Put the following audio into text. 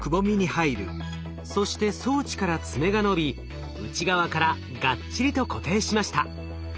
そして装置から爪が伸び内側からがっちりと固定しました。